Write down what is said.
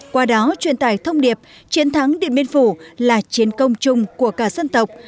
qua đó truyền tải thông điệp chiến thắng điện biên phủ là chiến công chung của cả dân tộc